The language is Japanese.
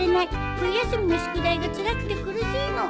冬休みの宿題がつらくて苦しいの。